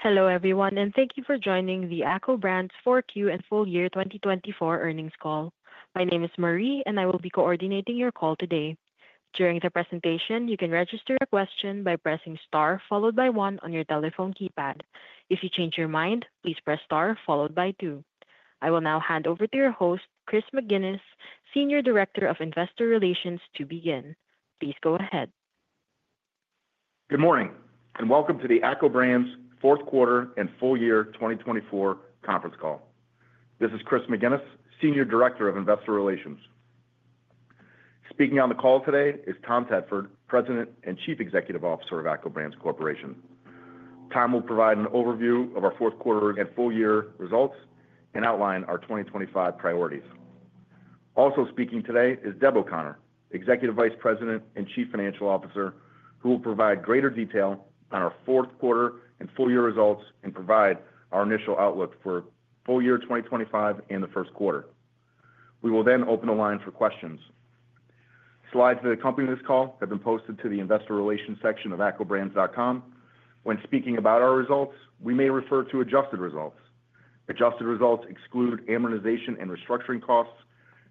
Hello everyone, and thank you for joining the ACCO Brands 4Q and full-year 2024 earnings call. My name is Marie, and I will be coordinating your call today. During the presentation, you can register a question by pressing star followed by one on your telephone keypad. If you change your mind, please press star followed by two. I will now hand over to your host, Chris McGinnis, Senior Director of Investor Relations, to begin. Please go ahead. Good morning, and welcome to the ACCO Brands fourth quarter and full-year 2024 conference call. This is Chris McGinnis, Senior Director of Investor Relations. Speaking on the call today is Tom Tedford, President and Chief Executive Officer of ACCO Brands Corporation. Tom will provide an overview of our fourth quarter and full-year results and outline our 2025 priorities. Also speaking today is Deb O'Connor, Executive Vice President and Chief Financial Officer, who will provide greater detail on our fourth quarter and full-year results and provide our initial outlook for full-year 2025 and the first quarter. We will then open the line for questions. Slides that accompany this call have been posted to the Investor Relations section of accobrands.com. When speaking about our results, we may refer to adjusted results. Adjusted results exclude amortization and restructuring costs,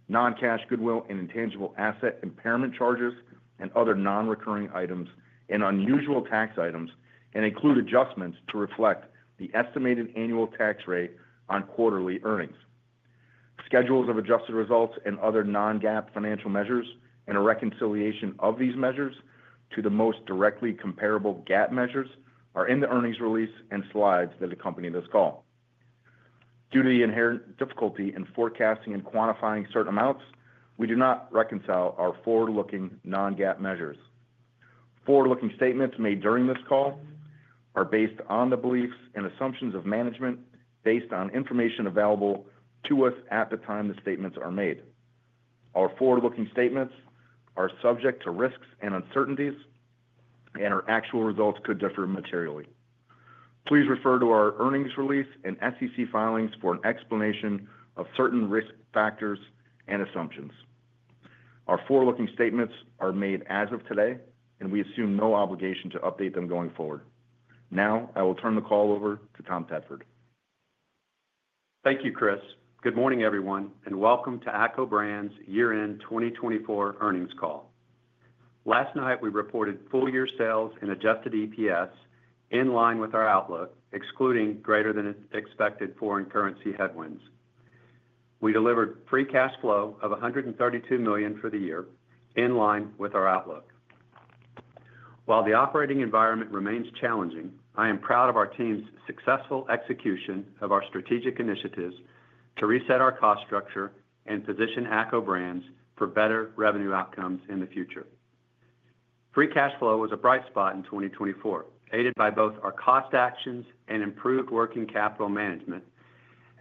non-cash goodwill and intangible asset impairment charges, and other non-recurring items, and unusual tax items, and include adjustments to reflect the estimated annual tax rate on quarterly earnings. Schedules of adjusted results and other non-GAAP financial measures, and a reconciliation of these measures to the most directly comparable GAAP measures, are in the earnings release and slides that accompany this call. Due to the inherent difficulty in forecasting and quantifying certain amounts, we do not reconcile our forward-looking non-GAAP measures. Forward-looking statements made during this call are based on the beliefs and assumptions of management based on information available to us at the time the statements are made. Our forward-looking statements are subject to risks and uncertainties, and our actual results could differ materially. Please refer to our earnings release and SEC filings for an explanation of certain risk factors and assumptions. Our forward-looking statements are made as of today, and we assume no obligation to update them going forward. Now, I will turn the call over to Tom Tedford. Thank you, Chris. Good morning, everyone, and welcome to ACCO Brands year-end 2024 earnings call. Last night, we reported full-year sales and adjusted EPS in line with our outlook, excluding greater-than-expected foreign currency headwinds. We delivered free cash flow of $132 million for the year, in line with our outlook. While the operating environment remains challenging, I am proud of our team's successful execution of our strategic initiatives to reset our cost structure and position ACCO Brands for better revenue outcomes in the future. Free cash flow was a bright spot in 2024, aided by both our cost actions and improved working capital management,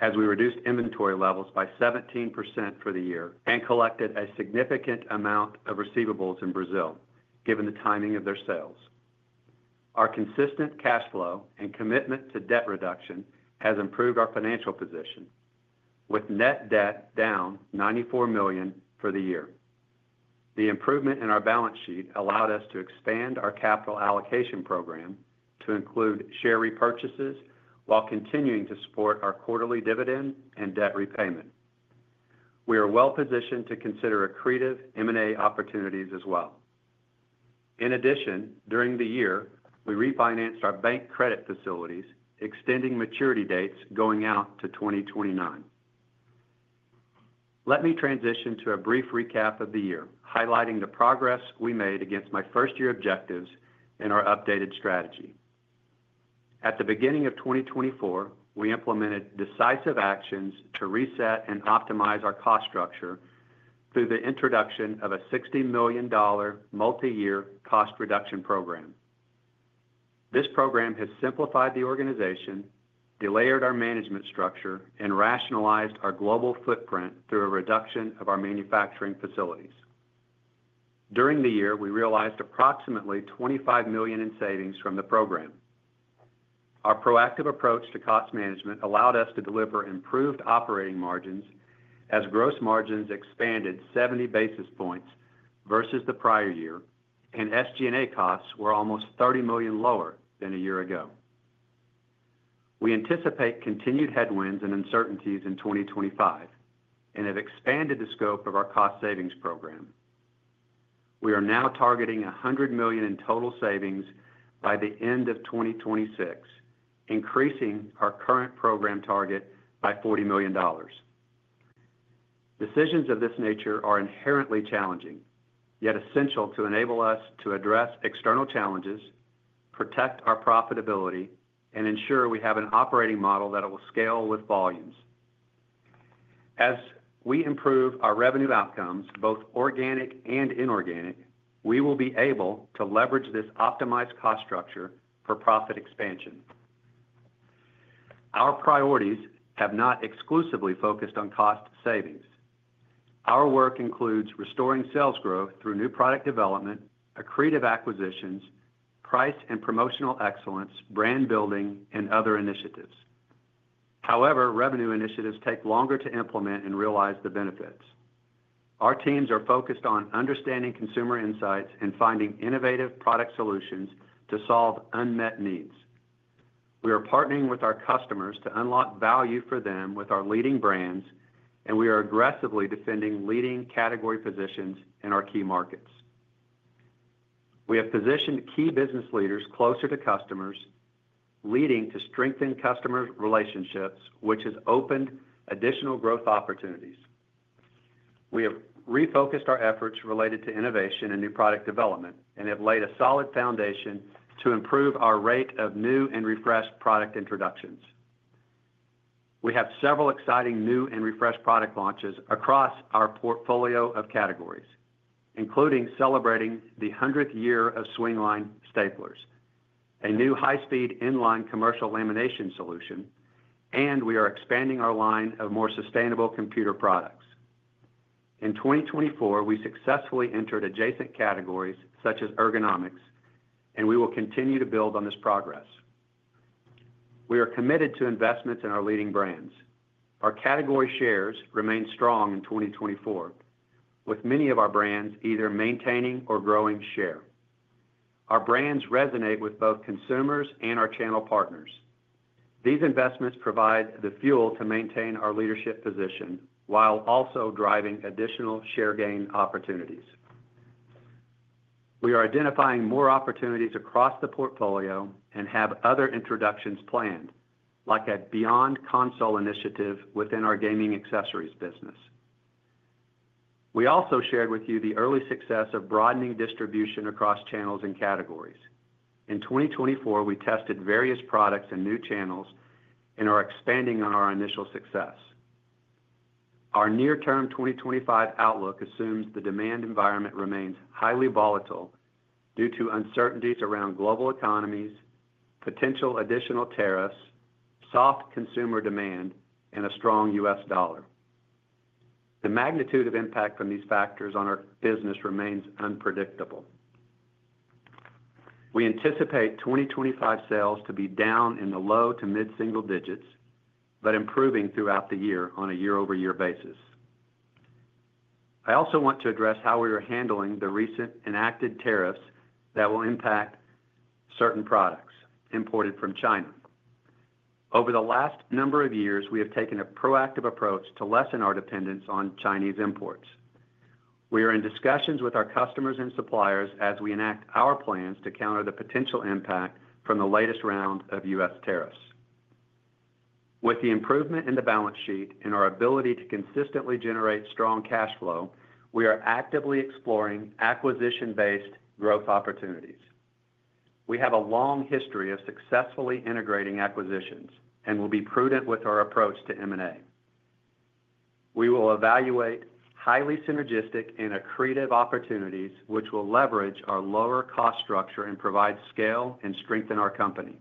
as we reduced inventory levels by 17% for the year and collected a significant amount of receivables in Brazil, given the timing of their sales. Our consistent cash flow and commitment to debt reduction have improved our financial position, with net debt down $94 million for the year. The improvement in our balance sheet allowed us to expand our capital allocation program to include share repurchases while continuing to support our quarterly dividend and debt repayment. We are well positioned to consider accretive M&A opportunities as well. In addition, during the year, we refinanced our bank credit facilities, extending maturity dates going out to 2029. Let me transition to a brief recap of the year, highlighting the progress we made against my first-year objectives and our updated strategy. At the beginning of 2024, we implemented decisive actions to reset and optimize our cost structure through the introduction of a $60-million multi-year cost reduction program. This program has simplified the organization, delayered our management structure, and rationalized our global footprint through a reduction of our manufacturing facilities. During the year, we realized approximately $25 million in savings from the program. Our proactive approach to cost management allowed us to deliver improved operating margins as gross margins expanded 70 basis points versus the prior year, and SG&A costs were almost $30 million lower than a year ago. We anticipate continued headwinds and uncertainties in 2025 and have expanded the scope of our cost savings program. We are now targeting $100 million in total savings by the end of 2026, increasing our current program target by $40 million. Decisions of this nature are inherently challenging, yet essential to enable us to address external challenges, protect our profitability, and ensure we have an operating model that will scale with volumes. As we improve our revenue outcomes, both organic and inorganic, we will be able to leverage this optimized cost structure for profit expansion. Our priorities have not exclusively focused on cost savings. Our work includes restoring sales growth through new product development, accretive acquisitions, price and promotional excellence, brand building, and other initiatives. However, revenue initiatives take longer to implement and realize the benefits. Our teams are focused on understanding consumer insights and finding innovative product solutions to solve unmet needs. We are partnering with our customers to unlock value for them with our leading brands, and we are aggressively defending leading category positions in our key markets. We have positioned key business leaders closer to customers, leading to strengthened customer relationships, which has opened additional growth opportunities. We have refocused our efforts related to innovation and new product development and have laid a solid foundation to improve our rate of new and refreshed product introductions. We have several exciting new and refreshed product launches across our portfolio of categories, including celebrating the 100th year of Swingline Staplers, a new high-speed inline commercial lamination solution, and we are expanding our line of more sustainable computer products. In 2024, we successfully entered adjacent categories such as ergonomics, and we will continue to build on this progress. We are committed to investments in our leading brands. Our category shares remain strong in 2024, with many of our brands either maintaining or growing share. Our brands resonate with both consumers and our channel partners. These investments provide the fuel to maintain our leadership position while also driving additional share gain opportunities. We are identifying more opportunities across the portfolio and have other introductions planned, like at Beyond Console initiative within our gaming accessories business. We also shared with you the early success of broadening distribution across channels and categories. In 2024, we tested various products and new channels and are expanding on our initial success. Our near-term 2025 outlook assumes the demand environment remains highly volatile due to uncertainties around global economies, potential additional tariffs, soft consumer demand, and a strong U.S. dollar. The magnitude of impact from these factors on our business remains unpredictable. We anticipate 2025 sales to be down in the low to mid-single digits, but improving throughout the year on a year-over-year basis. I also want to address how we are handling the recent enacted tariffs that will impact certain products imported from China. Over the last number of years, we have taken a proactive approach to lessen our dependence on Chinese imports. We are in discussions with our customers and suppliers as we enact our plans to counter the potential impact from the latest round of U.S. tariffs. With the improvement in the balance sheet and our ability to consistently generate strong cash flow, we are actively exploring acquisition-based growth opportunities. We have a long history of successfully integrating acquisitions and will be prudent with our approach to M&A. We will evaluate highly synergistic and accretive opportunities, which will leverage our lower cost structure and provide scale and strengthen our company.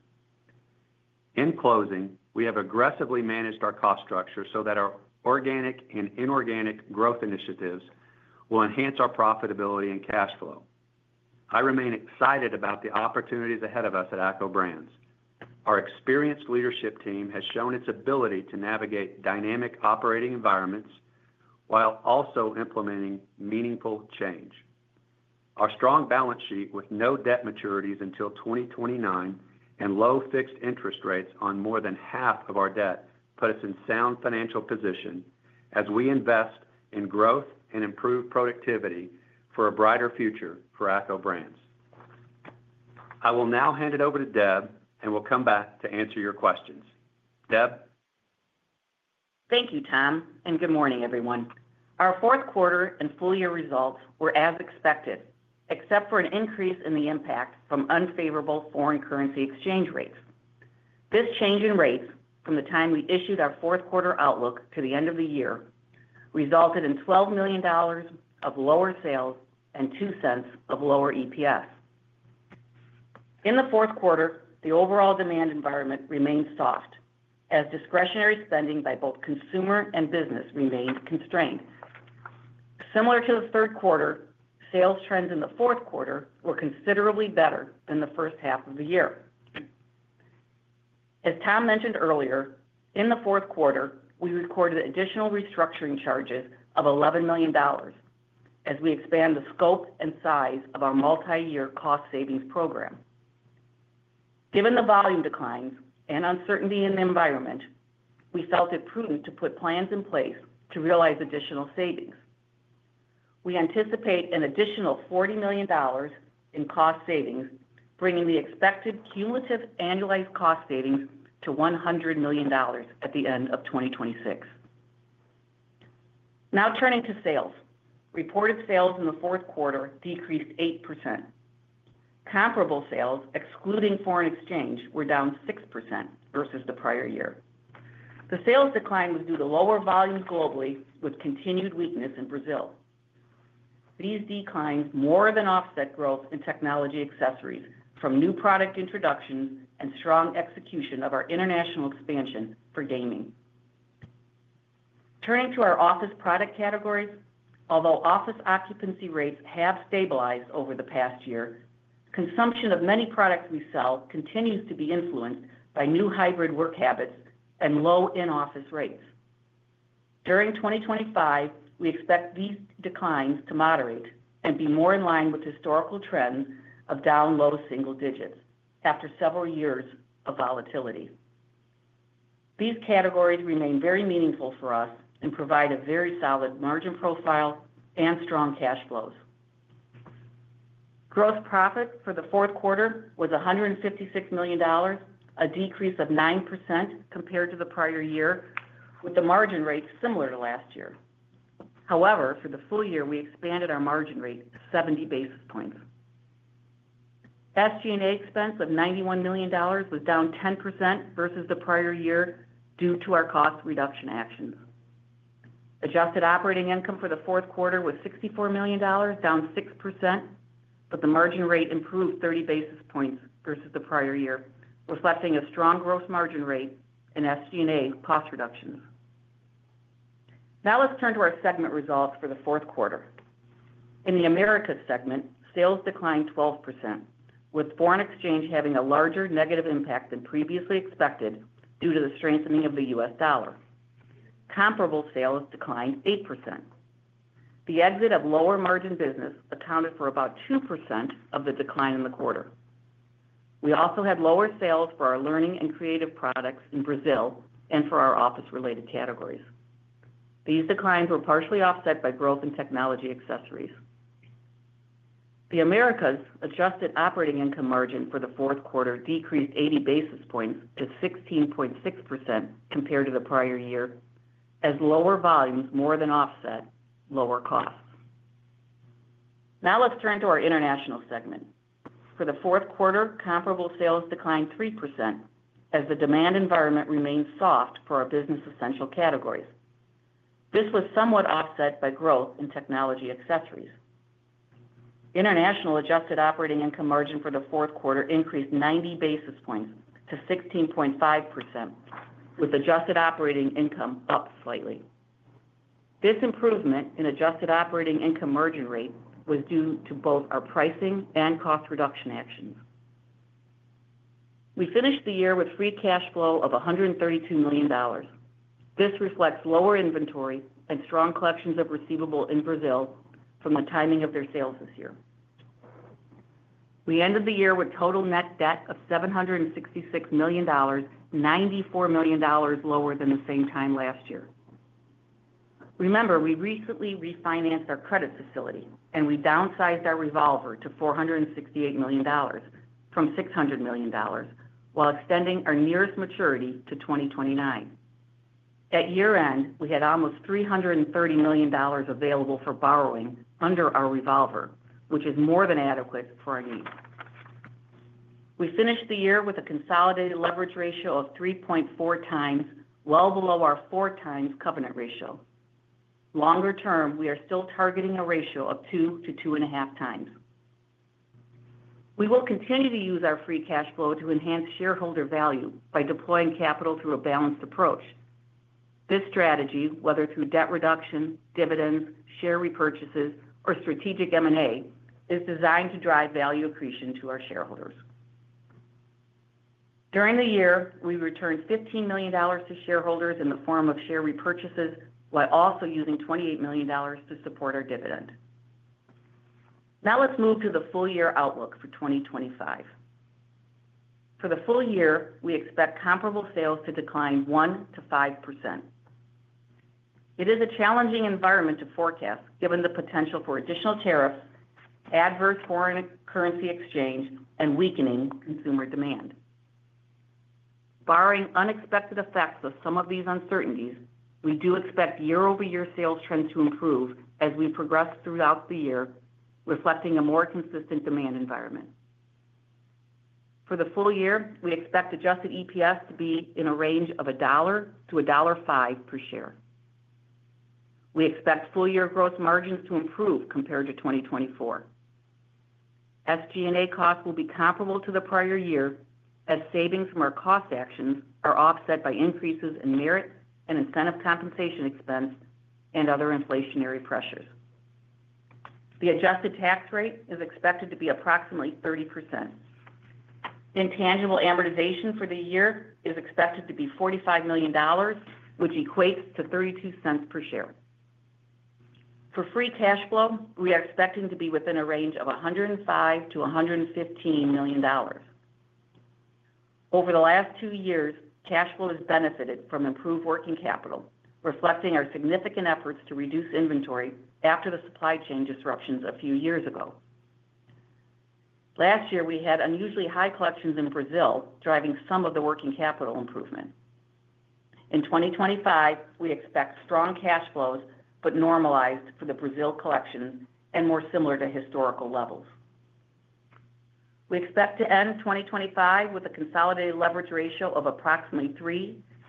In closing, we have aggressively managed our cost structure so that our organic and inorganic growth initiatives will enhance our profitability and cash flow. I remain excited about the opportunities ahead of us at ACCO Brands. Our experienced leadership team has shown its ability to navigate dynamic operating environments while also implementing meaningful change. Our strong balance sheet with no debt maturities until 2029 and low fixed interest rates on more than half of our debt put us in sound financial position as we invest in growth and improved productivity for a brighter future for ACCO Brands. I will now hand it over to Deb, and we'll come back to answer your questions. Deb. Thank you, Tom, and good morning, everyone. Our fourth quarter and full-year results were as expected, except for an increase in the impact from unfavorable foreign currency exchange rates. This change in rates, from the time we issued our fourth quarter outlook to the end of the year, resulted in $12 million of lower sales and $0.02 of lower EPS. In the fourth quarter, the overall demand environment remained soft as discretionary spending by both consumer and business remained constrained. Similar to the third quarter, sales trends in the fourth quarter were considerably better than the first half of the year. As Tom mentioned earlier, in the fourth quarter, we recorded additional restructuring charges of $11 million as we expand the scope and size of our multi-year cost-savings program. Given the volume declines and uncertainty in the environment, we felt it prudent to put plans in place to realize additional savings. We anticipate an additional $40 million in cost savings, bringing the expected cumulative annualized cost savings to $100 million at the end of 2026. Now turning to sales, reported sales in the fourth quarter decreased 8%. Comparable sales, excluding foreign exchange, were down 6% versus the prior year. The sales decline was due to lower volumes globally, with continued weakness in Brazil. These declines more than offset growth in technology accessories from new product introductions and strong execution of our international expansion for gaming. Turning to our office product categories, although office occupancy rates have stabilized over the past year, consumption of many products we sell continues to be influenced by new hybrid work habits and low in-office rates. During 2025, we expect these declines to moderate and be more in line with historical trends of down-low single digits after several years of volatility. These categories remain very meaningful for us and provide a very solid margin profile and strong cash flows. Gross profit for the fourth quarter was $156 million, a decrease of 9% compared to the prior year, with the margin rate similar to last year. However, for the full year, we expanded our margin rate 70 basis points. SG&A expense of $91 million was down 10% versus the prior year due to our cost reduction actions. Adjusted operating income for the fourth quarter was $64 million, down 6%, but the margin rate improved 30 basis points versus the prior year, reflecting a strong gross margin rate and SG&A cost reductions. Now let's turn to our segment results for the fourth quarter. In the Americas segment, sales declined 12%, with foreign exchange having a larger negative impact than previously expected due to the strengthening of the U.S. dollar. Comparable sales declined 8%. The exit of lower margin business accounted for about 2% of the decline in the quarter. We also had lower sales for our learning and creative products in Brazil and for our office-related categories. These declines were partially offset by growth in technology accessories. The Americas adjusted operating income margin for the fourth quarter decreased 80 basis points to 16.6% compared to the prior year, as lower volumes more than offset lower costs. Now let's turn to our international segment. For the fourth quarter, comparable sales declined 3% as the demand environment remained soft for our business-essential categories. This was somewhat offset by growth in technology accessories. International adjusted operating income margin for the fourth quarter increased 90 basis points to 16.5%, with adjusted operating income up slightly. This improvement in adjusted operating income margin rate was due to both our pricing and cost reduction actions. We finished the year with free cash flow of $132 million. This reflects lower inventory and strong collections of receivables in Brazil from the timing of their sales this year. We ended the year with total net debt of $766 million, $94 million lower than the same time last year. Remember, we recently refinanced our credit facility, and we downsized our revolver to $468 million from $600 million, while extending our nearest maturity to 2029. At year-end, we had almost $330 million available for borrowing under our revolver, which is more than adequate for our needs. We finished the year with a consolidated leverage ratio of 3.4 times, well below our four times covenant ratio. Longer term, we are still targeting a ratio of 2-2.5 times. We will continue to use our free cash flow to enhance shareholder value by deploying capital through a balanced approach. This strategy, whether through debt reduction, dividends, share repurchases, or strategic M&A, is designed to drive value accretion to our shareholders. During the year, we returned $15 million to shareholders in the form of share repurchases, while also using $28 million to support our dividend. Now let's move to the full-year outlook for 2025. For the full year, we expect comparable sales to decline 1%-5%. It is a challenging environment to forecast, given the potential for additional tariffs, adverse foreign currency exchange, and weakening consumer demand. Barring unexpected effects of some of these uncertainties, we do expect year-over-year sales trends to improve as we progress throughout the year, reflecting a more consistent demand environment. For the full year, we expect adjusted EPS to be in a range of $1-$1.05 per share. We expect full year gross margins to improve compared to 2024. SG&A costs will be comparable to the prior year as savings from our cost actions are offset by increases in merit and incentive compensation expense and other inflationary pressures. The adjusted tax rate is expected to be approximately 30%. Intangible amortization for the year is expected to be $45 million, which equates to $0.32 per share. For free cash flow, we are expecting to be within a range of $105 million-$115 million. Over the last two years, cash flow has benefited from improved working capital, reflecting our significant efforts to reduce inventory after the supply chain disruptions a few years ago. Last year, we had unusually high collections in Brazil, driving some of the working capital improvement. In 2025, we expect strong cash flows, but normalized for the Brazil collections and more similar to historical levels. We expect to end 2025 with a consolidated leverage ratio of approximately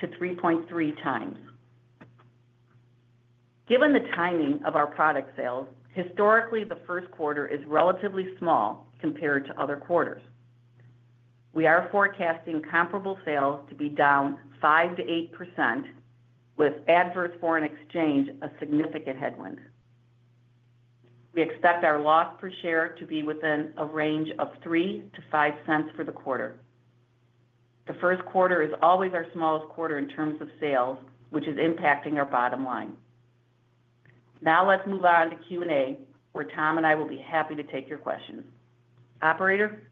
3-3.3 times. Given the timing of our product sales, historically, the first quarter is relatively small compared to other quarters. We are forecasting comparable sales to be down 5%-8%, with adverse foreign exchange a significant headwind. We expect our loss per share to be within a range of $0.03-$0.05 for the quarter. The first quarter is always our smallest quarter in terms of sales, which is impacting our bottom line. Now let's move on to Q&A, where Tom and I will be happy to take your questions. Operator.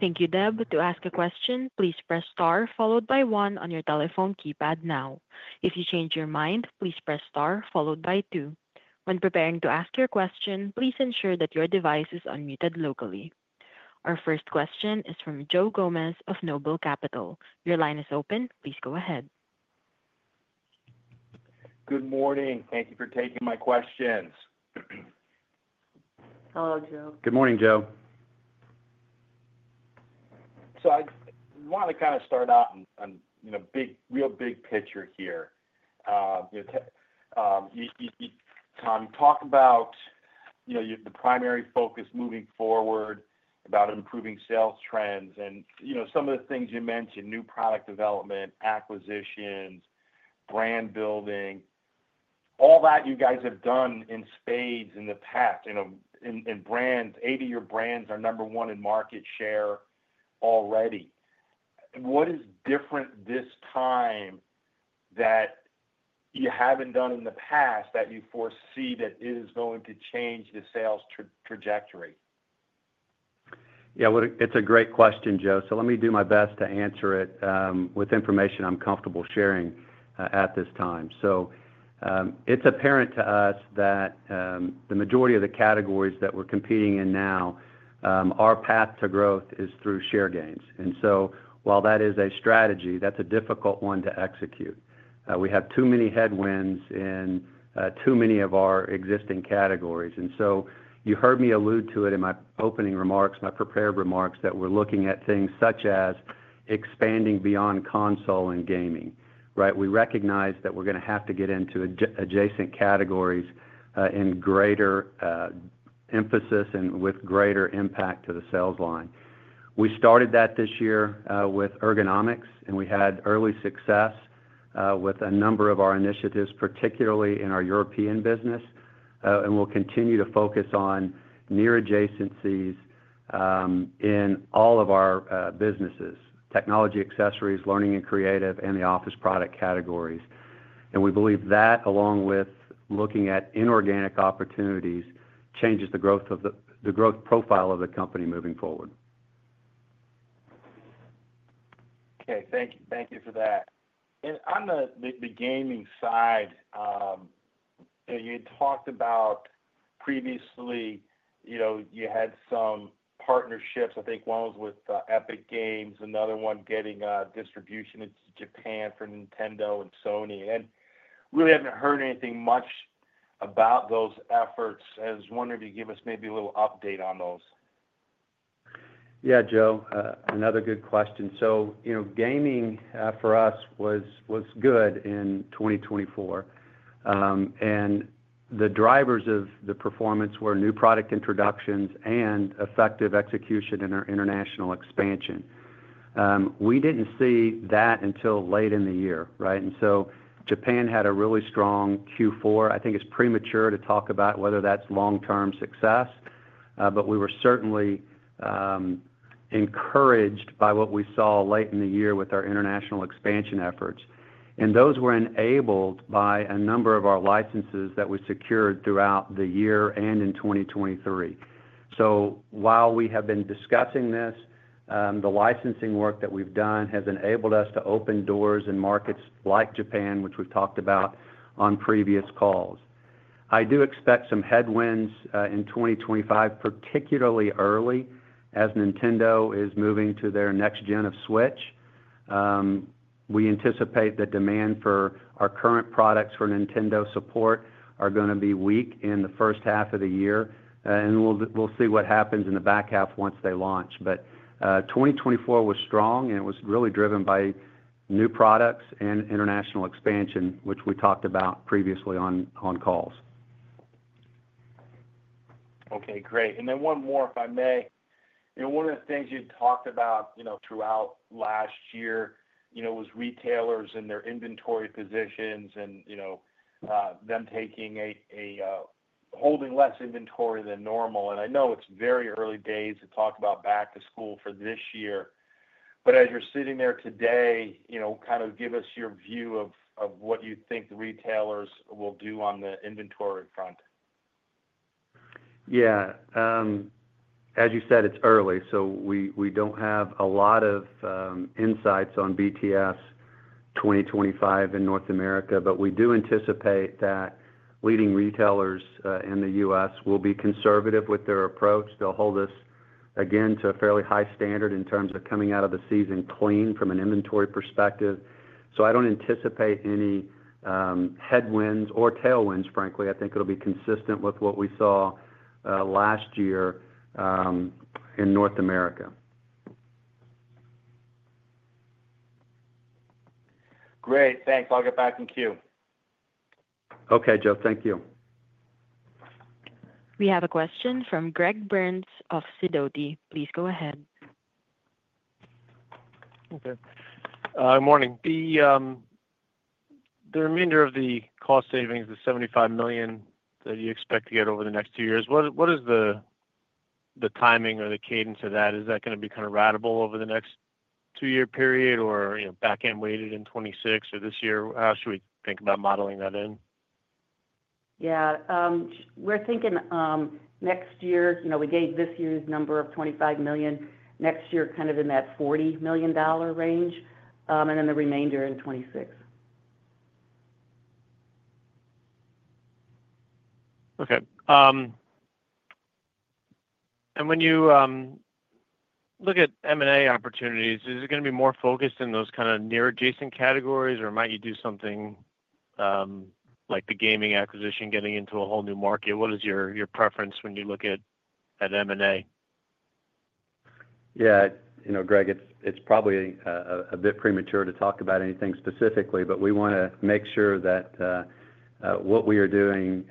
Thank you, Deb. To ask a question, please press star followed by one on your telephone keypad now. If you change your mind, please press star followed by two. When preparing to ask your question, please ensure that your device is unmuted locally. Our first question is from Joe Gomes of Noble Capital. Your line is open. Please go ahead. Good morning. Thank you for taking my questions. Hello, Joe. Good morning, Joe. So I want to kind of start out on a real big picture here. Tom, talk about the primary focus moving forward about improving sales trends and some of the things you mentioned: New product development, acquisitions, brand building, all that you guys have done in spades in the past. 80 of your brands are number one in market share already. What is different this time that you haven't done in the past that you foresee that is going to change the sales trajectory? Yeah, it's a great question, Joe, so let me do my best to answer it with information I'm comfortable sharing at this time, so it's apparent to us that the majority of the categories that we're competing in now, our path to growth is through share gains, and so while that is a strategy, that's a difficult one to execute. We have too many headwinds in too many of our existing categories, and so you heard me allude to it in my opening remarks, my prepared remarks, that we're looking at things such as expanding beyond console and gaming. We recognize that we're going to have to get into adjacent categories in greater emphasis and with greater impact to the sales line. We started that this year with ergonomics, and we had early success with a number of our initiatives, particularly in our European business, and we'll continue to focus on near adjacencies in all of our businesses: Technology accessories, learning and creative, and the office product categories. And we believe that, along with looking at inorganic opportunities, changes the growth profile of the company moving forward. Okay. Thank you for that. And on the gaming side, you had talked about previously you had some partnerships, I think one was with Epic Games, another one getting distribution into Japan for Nintendo and Sony. And really haven't heard anything much about those efforts. I was wondering if you could give us maybe a little update on those. Yeah, Joe. Another good question. So gaming for us was good in 2024. And the drivers of the performance were new product introductions and effective execution in our international expansion. We didn't see that until late in the year. And so Japan had a really strong Q4. I think it's premature to talk about whether that's long-term success, but we were certainly encouraged by what we saw late in the year with our international expansion efforts. And those were enabled by a number of our licenses that we secured throughout the year and in 2023. So while we have been discussing this, the licensing work that we've done has enabled us to open doors in markets like Japan, which we've talked about on previous calls. I do expect some headwinds in 2025, particularly early, as Nintendo is moving to their next-gen of Switch. We anticipate that demand for our current products for Nintendo support are going to be weak in the first half of the year, and we'll see what happens in the back-half once they launch, but 2024 was strong, and it was really driven by new products and international expansion, which we talked about previously on calls. Okay. Great. And then one more, if I may. One of the things you'd talked about throughout last year was retailers and their inventory positions and them holding less inventory than normal. And I know it's very early days to talk about back-to-school for this year, but as you're sitting there today, kind of give us your view of what you think the retailers will do on the inventory front. Yeah. As you said, it's early, so we don't have a lot of insights on BTS 2025 in North America, but we do anticipate that leading retailers in the U.S. will be conservative with their approach. They'll hold us, again, to a fairly high standard in terms of coming out of the season clean from an inventory perspective. So I don't anticipate any headwinds or tailwinds, frankly. I think it'll be consistent with what we saw last year in North America. Great. Thanks. I'll get back in queue. Okay, Joe. Thank you. We have a question from Greg Burns of Sidoti. Please go ahead. Okay. Good morning. The remainder of the cost savings, the $75 million that you expect to get over the next two years, what is the timing or the cadence of that? Is that going to be kind of ratable over the next two-year period or back-end weighted in 2026 or this year? How should we think about modeling that in? Yeah. We're thinking next year, we gave this year's number of $25 million, next year kind of in that $40 million range, and then the remainder in 2026. Okay. And when you look at M&A opportunities, is it going to be more focused in those kind of near-adjacent categories, or might you do something like the gaming acquisition, getting into a whole new market? What is your preference when you look at M&A? Yeah, Greg, it's probably a bit premature to talk about anything specifically, but we want to make sure that what we are doing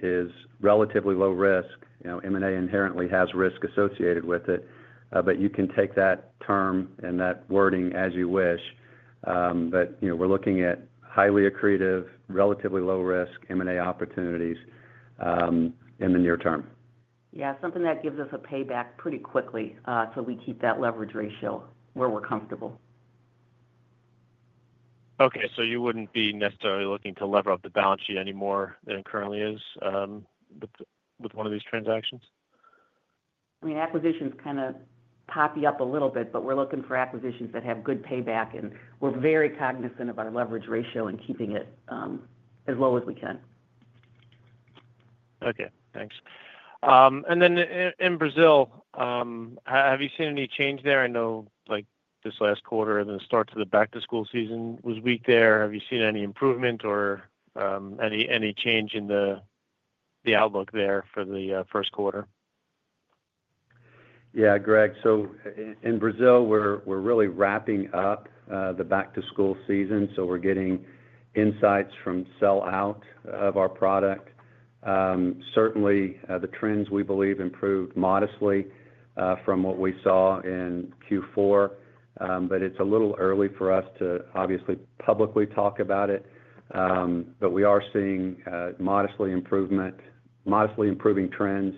is relatively low risk. M&A inherently has risk associated with it, but you can take that term and that wording as you wish. But we're looking at highly accretive, relatively low-risk M&A opportunities in the near term. Yeah. Something that gives us a payback pretty quickly so we keep that leverage ratio where we're comfortable. Okay. So you wouldn't be necessarily looking to lever up the balance sheet any more than it currently is with one of these transactions? I mean, acquisitions kind of pop you up a little bit, but we're looking for acquisitions that have good payback, and we're very cognizant of our leverage ratio and keeping it as low as we can. Okay. Thanks. And then in Brazil, have you seen any change there? I know this last quarter and the start to the back-to-school season was weak there. Have you seen any improvement or any change in the outlook there for the first quarter? Yeah, Greg, so in Brazil, we're really wrapping up the back-to-school season, so we're getting insights from sell-out of our product. Certainly, the trends we believe improved modestly from what we saw in Q4, but it's a little early for us to obviously publicly talk about it, but we are seeing modestly improving trends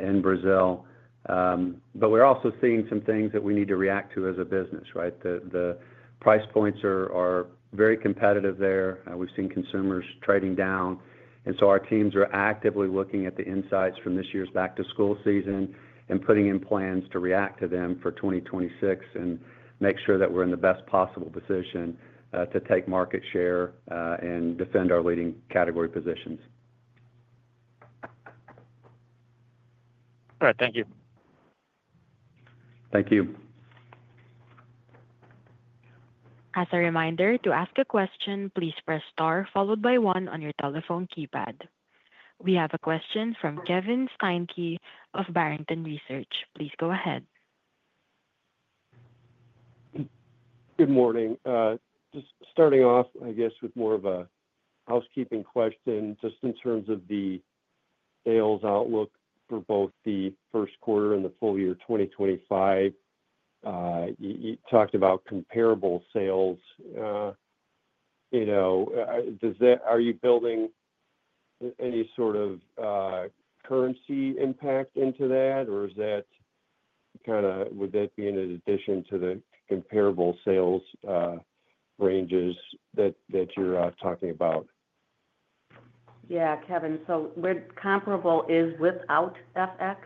in Brazil, but we're also seeing some things that we need to react to as a business. The price points are very competitive there. We've seen consumers trading down, and so our teams are actively looking at the insights from this year's back-to-school season and putting in plans to react to them for 2026 and make sure that we're in the best possible position to take market share and defend our leading category positions. All right. Thank you. Thank you. As a reminder, to ask a question, please press star followed by one on your telephone keypad. We have a question from Kevin Steinke of Barrington Research. Please go ahead. Good morning. Just starting off, I guess, with more of a housekeeping question just in terms of the sales outlook for both the first quarter and the full-year 2025. You talked about comparable sales. Are you building any sort of currency impact into that, or would that be in addition to the comparable sales ranges that you're talking about? Yeah, Kevin. So comparable is without FX,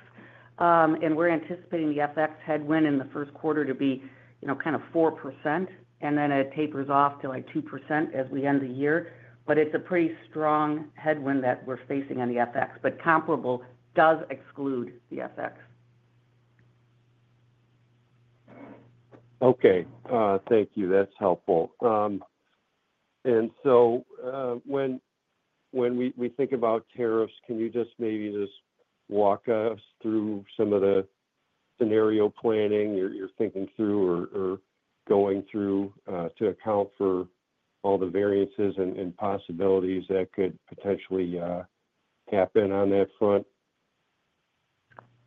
and we're anticipating the FX headwind in the 1st quarter to be kind of 4%, and then it tapers off to 2% as we end the year. But it's a pretty strong headwind that we're facing on the FX, but comparable does exclude the FX. Okay. Thank you. That's helpful. And so when we think about tariffs, can you just maybe just walk us through some of the scenario planning you're thinking through or going through to account for all the variances and possibilities that could potentially happen on that front?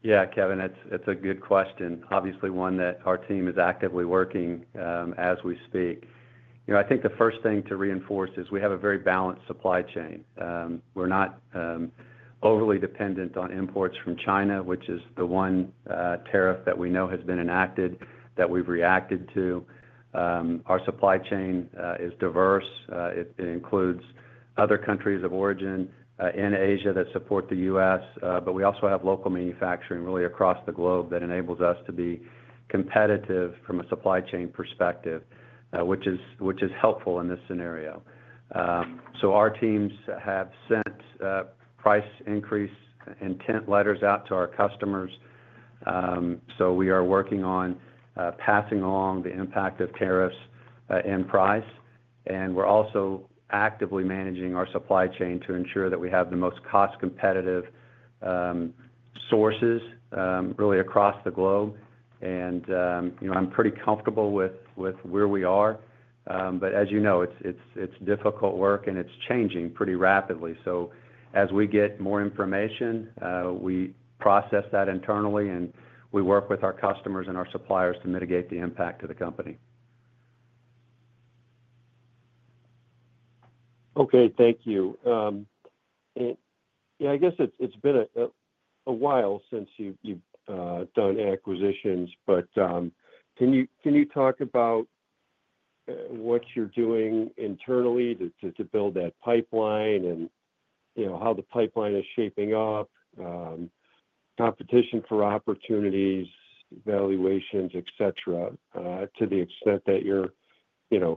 Yeah, Kevin, it's a good question. Obviously, one that our team is actively working as we speak. I think the first thing to reinforce is we have a very balanced supply chain. We're not overly dependent on imports from China, which is the one tariff that we know has been enacted that we've reacted to. Our supply chain is diverse. It includes other countries of origin in Asia that support the U.S., but we also have local manufacturing really across the globe that enables us to be competitive from a supply chain perspective, which is helpful in this scenario, so our teams have sent price increase intent letters out to our customers, so we are working on passing along the impact of tariffs and price, and we're also actively managing our supply chain to ensure that we have the most cost-competitive sources really across the globe. And I'm pretty comfortable with where we are. But as you know, it's difficult work, and it's changing pretty rapidly. So as we get more information, we process that internally, and we work with our customers and our suppliers to mitigate the impact to the company. Okay. Thank you. Yeah, I guess it's been a while since you've done acquisitions, but can you talk about what you're doing internally to build that pipeline and how the pipeline is shaping up, competition for opportunities, valuations, etc., to the extent that you're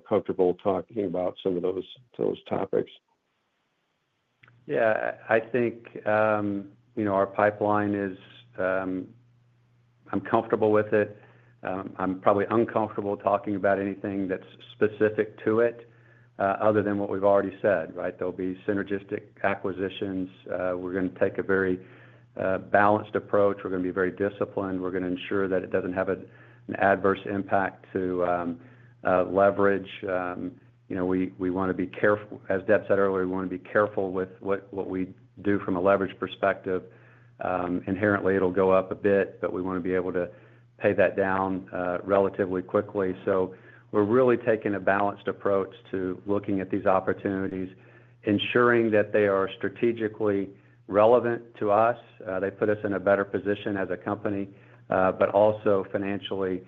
comfortable talking about some of those topics? Yeah. I think our pipeline is. I'm comfortable with it. I'm probably uncomfortable talking about anything that's specific to it other than what we've already said. There'll be synergistic acquisitions. We're going to take a very balanced approach. We're going to be very disciplined. We're going to ensure that it doesn't have an adverse impact to leverage. We want to be careful. As Deb said earlier, we want to be careful with what we do from a leverage perspective. Inherently, it'll go up a bit, but we want to be able to pay that down relatively quickly. So we're really taking a balanced approach to looking at these opportunities, ensuring that they are strategically relevant to us. They put us in a better position as a company, but also financially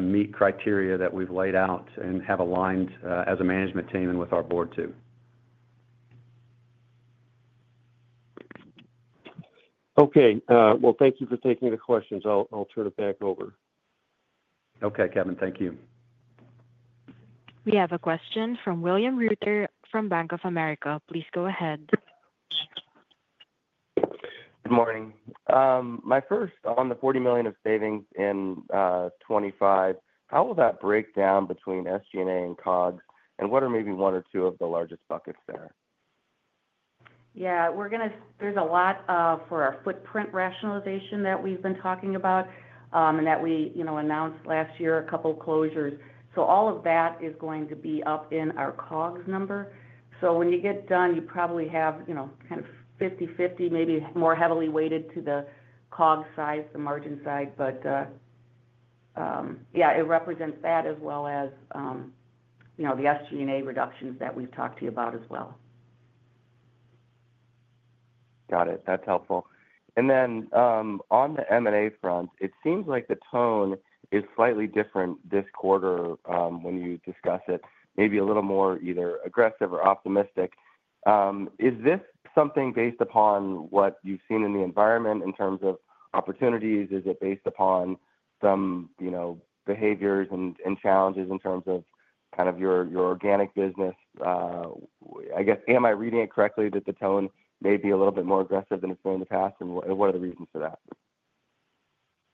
meet criteria that we've laid out and have aligned as a management team and with our board too. Okay. Well, thank you for taking the questions. I'll turn it back over. Okay, Kevin. Thank you. We have a question from William Reuter from Bank of America. Please go ahead. Good morning. My first on the $40 million of savings in 2025, how will that break down between SG&A and COGS, and what are maybe one or two of the largest buckets there? Yeah. There's a lot for our footprint rationalization that we've been talking about and that we announced last year, a couple of closures. So all of that is going to be up in our COGS number. So when you get done, you probably have kind of 50/50, maybe more heavily weighted to the COGS side, the margin side. But yeah, it represents that as well as the SG&A reductions that we've talked to you about as well. Got it. That's helpful. And then on the M&A front, it seems like the tone is slightly different this quarter when you discuss it, maybe a little more either aggressive or optimistic. Is this something based upon what you've seen in the environment in terms of opportunities? Is it based upon some behaviors and challenges in terms of kind of your organic business? I guess, am I reading it correctly that the tone may be a little bit more aggressive than it's been in the past? And what are the reasons for that?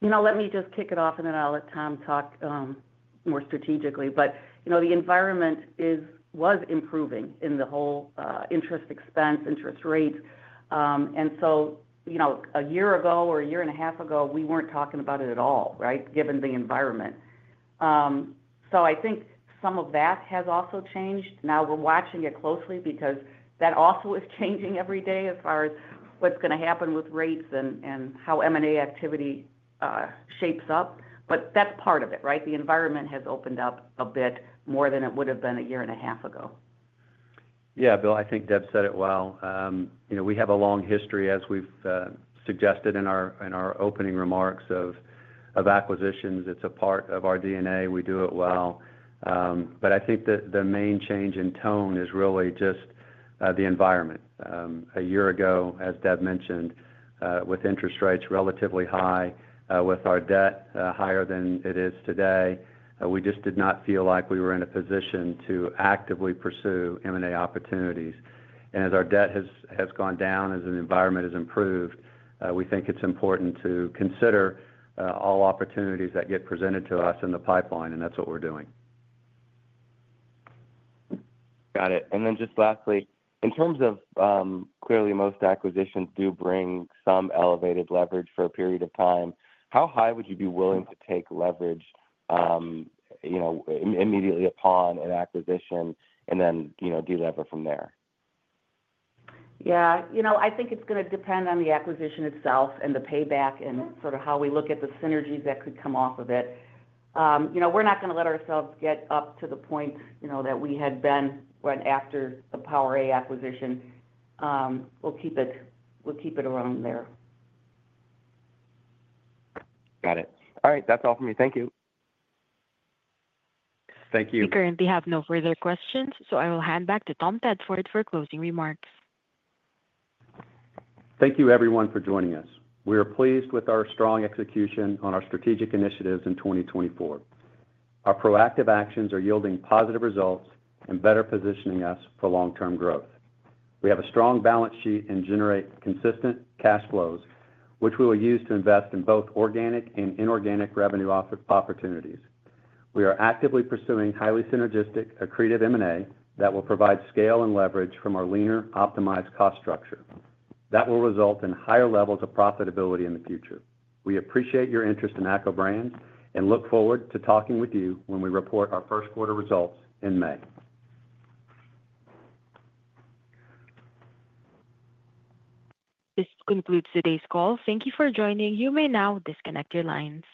Let me just kick it off, and then I'll let Tom talk more strategically. But the environment was improving in the whole interest expense, interest rates. And so a year ago or a year-and-a-half ago, we weren't talking about it at all, given the environment. So I think some of that has also changed. Now we're watching it closely because that also is changing every day as far as what's going to happen with rates and how M&A activity shapes up. But that's part of it. The environment has opened up a bit more than it would have been a year-and-a-half ago. Yeah, Bill, I think Deb said it well. We have a long history, as we've suggested in our opening remarks of acquisitions. It's a part of our DNA. We do it well. But I think the main change in tone is really just the environment. A year ago, as Deb mentioned, with interest rates relatively high, with our debt higher than it is today, we just did not feel like we were in a position to actively pursue M&A opportunities. And as our debt has gone down, as the environment has improved, we think it's important to consider all opportunities that get presented to us in the pipeline, and that's what we're doing. Got it. And then just lastly, in terms of clearly most acquisitions do bring some elevated leverage for a period of time, how high would you be willing to take leverage immediately upon an acquisition and then de-lever from there? Yeah. I think it's going to depend on the acquisition itself and the payback and sort of how we look at the synergies that could come off of it. We're not going to let ourselves get up to the point that we had been after the PowerA acquisition. We'll keep it around there. Got it. All right. That's all for me. Thank you. Thank you. We currently have no further questions, so I will hand back to Tom Tedford for closing remarks. Thank you, everyone, for joining us. We are pleased with our strong execution on our strategic initiatives in 2024. Our proactive actions are yielding positive results and better positioning us for long-term growth. We have a strong balance sheet and generate consistent cash flows, which we will use to invest in both organic and inorganic revenue opportunities. We are actively pursuing highly synergistic, accretive M&A that will provide scale and leverage from our leaner, optimized cost structure. That will result in higher levels of profitability in the future. We appreciate your interest in ACCO Brands and look forward to talking with you when we report our first quarter results in May. This concludes today's call. Thank you for joining. You may now disconnect your lines.